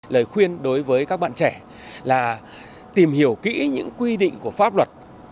lời khuyên đối với các bạn trẻ là tìm hiểu kỹ những quy định của pháp luật